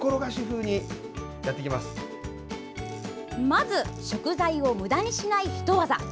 まず、食材をむだにしないひと技。